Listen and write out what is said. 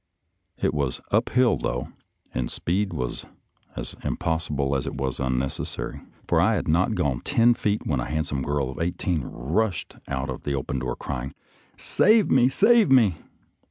It was up hill, though, and speed was as impossible as it was unnecessary, for I had not gone ten feet when a handsome girl of eighteen rushed out of the open door crying, " Save me, save me